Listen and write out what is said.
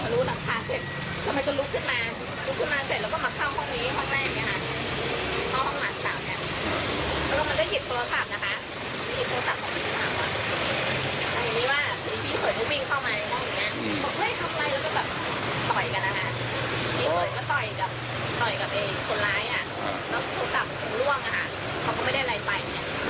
ตอนนี้หลังจากนี้ผ่านกระทูอีก